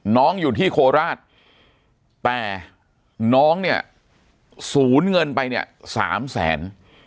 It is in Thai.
น้องอยู่ที่โคลาศแต่น้องสูญเงินไป๓แสน